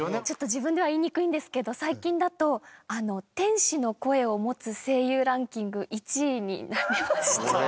ちょっと自分では言いにくいんですけど最近だと天使の声を持つ声優ランキング１位になりました。